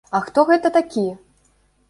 А хто гэта такі?